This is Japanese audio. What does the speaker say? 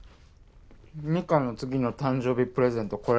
美香の次の誕生日プレゼント